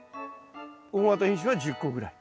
大型品種は１０個ぐらい。